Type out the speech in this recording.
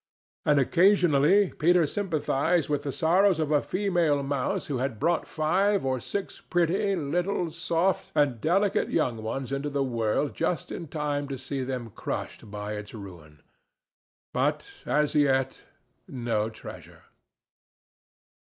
And occasionally Peter sympathized with the sorrows of a female mouse who had brought five or six pretty, little, soft and delicate young ones into the world just in time to see them crushed by its ruin. But as yet no treasure.